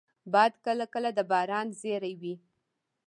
باد کله کله د باران زېری وي